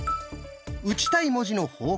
打ちたい文字の方向